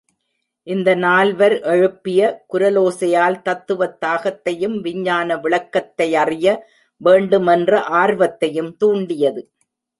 இந்த நால்வர் எழுப்பிய குரலோசையால் தத்துவத் தாகத்தையும், விஞ்ஞான விளக்கத்தையறிய வேண்டுமென்ற ஆர்வத்தையும் தூண்டியது.